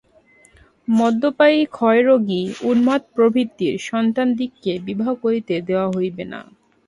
মদ্যপায়ী, ক্ষয়রোগী, উন্মাদ প্রভৃতির সন্তানদিগকে বিবাহ করিতে দেওয়া হইবে না।